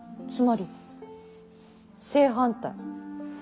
つまり正反対。